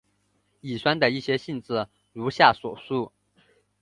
乙酸的一些性质如下所述。